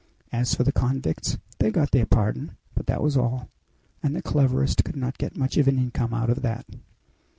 As for the convicts, they got their pardon, but that was all, and the cleverest could not get much of an income out of that!"